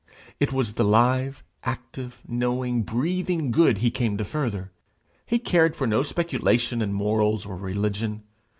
It was the live, active, knowing, breathing good he came to further. He cared for no speculation in morals or religion.